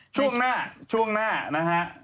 ช่วงหน้าช่วงหน้านะฮะ